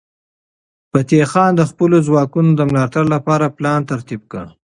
فتح خان د خپلو ځواکونو د ملاتړ لپاره پلان ترتیب کړ.